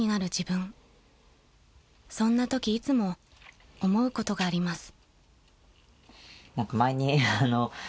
［そんなときいつも思うことがあります］